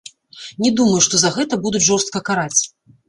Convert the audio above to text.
Не думаю, што за гэта будуць жорстка караць.